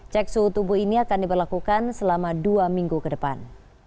cek suhu tubuh ini akan diberlakukan selama dua minggu ke depan